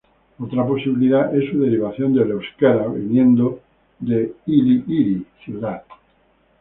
Otra posibilidad es su derivación del euskera, viniendo de ili-iri: "ciudad".